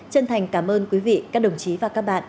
chân thành cảm ơn quý vị các đồng chí và các bạn